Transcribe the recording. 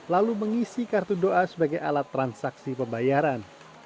lalu mengisi kartu doa sebagai alat transaksi pembayaran